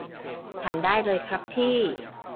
ทำได้เลยครับพี่